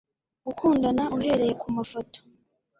gukundana, uhereye kumafoto